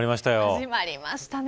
始まりましたね。